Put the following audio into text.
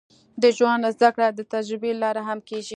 د ژوند زده کړه د تجربې له لارې هم کېږي.